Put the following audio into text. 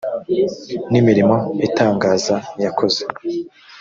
n imirimo itangaza yakoze